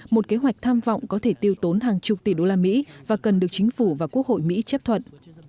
một kế hoạch tham vọng có thể tiêu tốn hàng chục tỷ đô la mỹ và cần được chính phủ và quốc hội mỹ chấp thuận